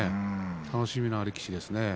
楽しみな力士ですね。